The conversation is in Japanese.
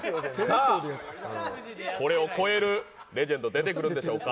これを越えるレジェンド出てくるんでしょうか。